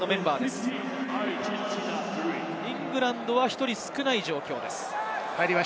イングランドは１人少ない状況です。